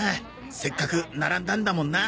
せっかく並んだんだもんな。